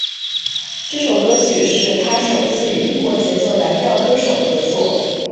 这首歌曲是他首次与英国节奏蓝调歌手合作。